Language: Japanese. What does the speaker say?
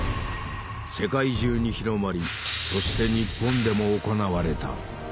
世界中に広まりそして日本でも行われた。